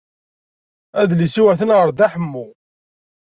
Adlis-iw atan ɣer Dda Ḥemmu.